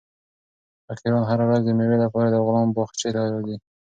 فقیران هره ورځ د مېوې لپاره د غلام باغچې ته راځي.